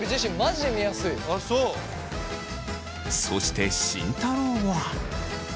そして慎太郎は。